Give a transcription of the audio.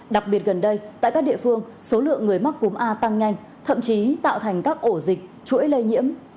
đặc biệt gần đây tại các địa phương số lượng người mắc cúm a tăng nhanh thậm chí tạo thành các ổ dịch chuỗi lây nhiễm